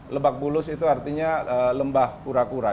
lebak bulus itu artinya lembah kura kura